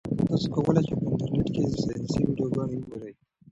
تاسي کولای شئ په انټرنيټ کې ساینسي ویډیوګانې وګورئ.